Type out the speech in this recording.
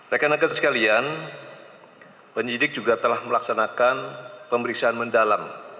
rakan rakan sekalian penyidik juga telah melaksanakan pemeriksaan mendalam